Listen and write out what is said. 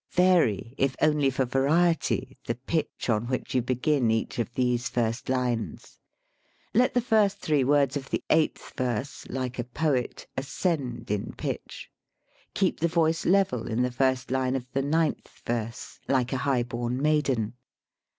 120 LYRIC POETRY Vary, if only for variety, the pitch on which you begin each of these first lines. Let the first three words of the eighth verse, "like a poet," ascend in pitch. Keep the voice level in the first line of the ninth verse, "like a high born maiden."